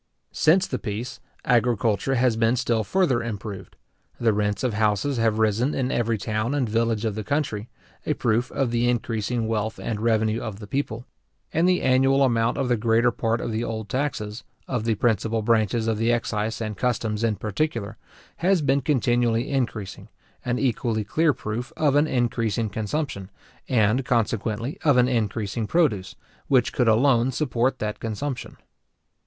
Since the peace, agriculture has been still further improved; the rents of houses have risen in every town and village of the country, a proof of the increasing wealth and revenue of the people; and the annual amount of the greater part of the old taxes, of the principal branches of the excise and customs, in particular, has been continually increasing, an equally clear proof of an increasing consumption, and consequently of an increasing produce, which could alone support that consumption.